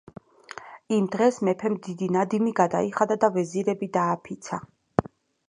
იმ დღეს მეფემ დიდი ნადიმი გადაიხადა და ვეზირები დააფიცა.